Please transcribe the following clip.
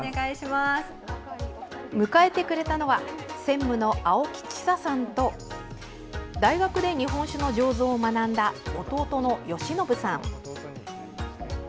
迎えてくれたのは専務の青木知佐さんと大学で日本酒の醸造を学んだ弟の善延さん。